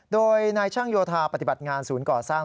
โดยนายช่างโยธาปฏิบัติงานศูนย์ก่อสร้าง